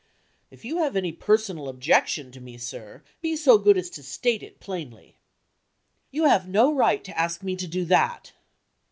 "If you have any personal objection to me, sir, be so good as to state it plainly." "You have no right to ask me to do that."